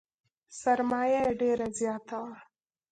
سرمایه یې ډېره زیاته وه .